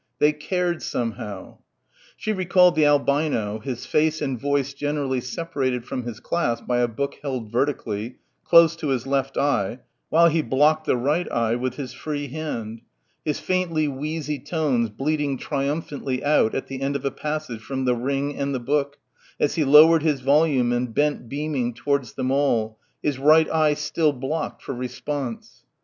They cared somehow. She recalled the albino, his face and voice generally separated from his class by a book held vertically, close to his left eye, while he blocked the right eye with his free hand his faintly wheezy tones bleating triumphantly out at the end of a passage from "The Ring and the Book," as he lowered his volume and bent beaming towards them all, his right eye still blocked, for response.